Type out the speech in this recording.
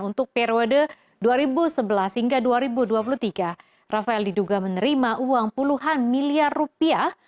untuk periode dua ribu sebelas hingga dua ribu dua puluh tiga rafael diduga menerima uang puluhan miliar rupiah